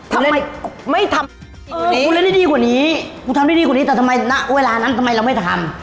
ทำไมไม่ทำกูเล่นได้ดีกว่านี้กูทำได้ดีกว่านี้แต่ทำไมณเวลานั้นทำไมเราไม่ทำ